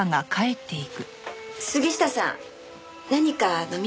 杉下さん何か飲みますか？